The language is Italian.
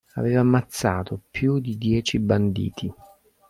Aveva ammazzato più di dieci banditi.